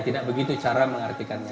tidak begitu cara mengartikannya